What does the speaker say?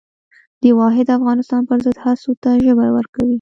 د واحد افغانستان پر ضد هڅو ته ژبه ورکوي.